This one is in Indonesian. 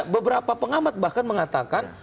beberapa pengamat bahkan mengatakan